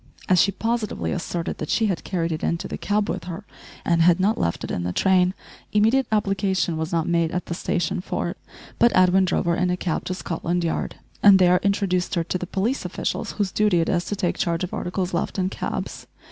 As she positively asserted that she had carried it into the cab with her and had not left it in the train, immediate application was not made at the station for it, but Edwin drove her in a cab to Scotland Yard, and there introduced her to the police officials whose duty it is to take charge of articles left in cabs.